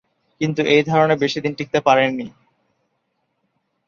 কিন্তু এই ধারণা বেশিদিন টিকতে পারেনি।